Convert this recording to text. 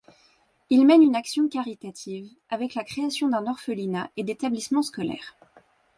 Il mène une action caritative, avec la création d'un orphelinat et d'établissements scolaires.